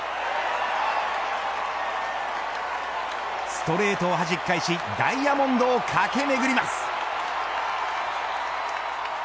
ストレートをはじき返しダイヤモンドを駆け巡ります。